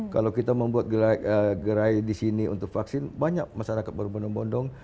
kalau kita membuat gerai di sini untuk vaksin banyak masyarakat berbondong bondong